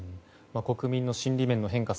国民の心理面の変化